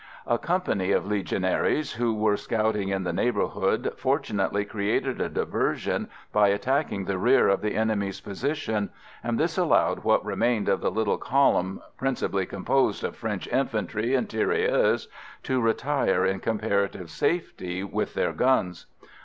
A company of Legionaries who were scouting in the neighbourhood fortunately created a diversion by attacking the rear of the enemy's position, and this allowed what remained of the little column, principally composed of French infantry and tirailleurs, to retire in comparative safety with their guns.